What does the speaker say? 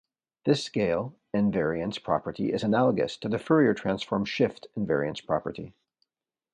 This scale invariance property is analogous to the Fourier Transform's shift invariance property.